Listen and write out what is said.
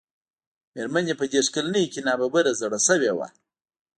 مېرمن يې په دېرش کلنۍ کې ناببره زړه شوې وه.